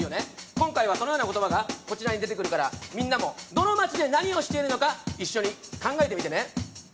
今回はそのような言葉がこちらに出てくるからみんなもどの街で何をしているのか一緒に考えてみてね